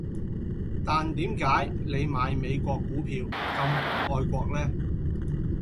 但點解你買美國股票咁唔愛國呢